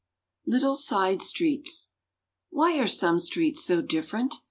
Little Side Streets Why are some streets so different?